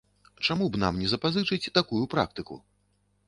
Чаму б нам не запазычыць такую практыку?